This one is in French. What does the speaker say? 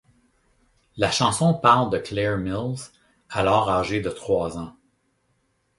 La chanson parle de Clair Mills, alors âgée de trois ans.